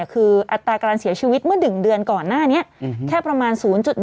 คืออัตราการเสียชีวิตเมื่อ๑เดือนก่อนหน้านี้แค่ประมาณ๐๑